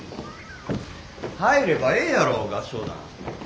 入ればええやろ合唱団。